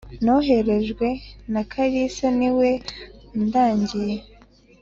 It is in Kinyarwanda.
noherejwe na kalisa niwe undangiye.